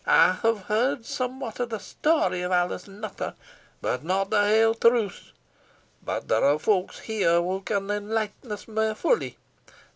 I have heard somewhat of the story of Alice Nutter, but not the haill truth but there are folk here wha can enlighten us mair fully.